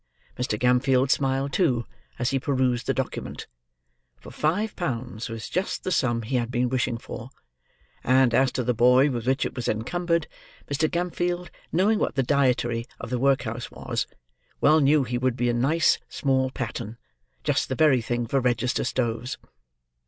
Mr. Gamfield smiled, too, as he perused the document; for five pounds was just the sum he had been wishing for; and, as to the boy with which it was encumbered, Mr. Gamfield, knowing what the dietary of the workhouse was, well knew he would be a nice small pattern, just the very thing for register stoves.